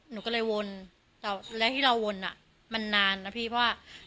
หนูก็เลยวนและที่เราวนอ่ะมันนานนะพี่เพราะว่า